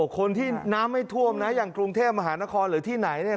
คนที่น้ำไม่ท่วมนะอย่างกรุงเทพมหานครหรือที่ไหนเนี่ย